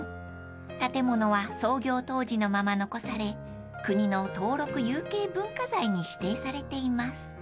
［建物は創業当時のまま残され国の登録有形文化財に指定されています］